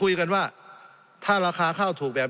สงบจนจะตายหมดแล้วครับ